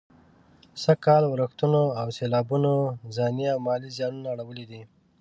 سږ کال ورښتونو او سېلابونو ځاني او مالي زيانونه اړولي دي.